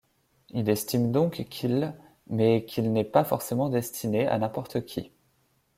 Il estime donc qu’il mais qu’il n’est pas forcement destiné à n’importe qui.